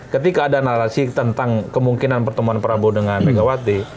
ketika ada narasi tentang kemungkinan pertemuan prabowo dengan megawati